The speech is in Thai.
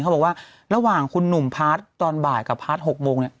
เขาบอกว่าระหว่างคุณหนุ่มพาร์ทตอนบ่ายกับพาร์ท๖โมงเนี่ย